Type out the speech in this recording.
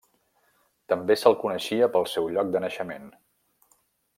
També se'l coneixia pel seu lloc de naixement: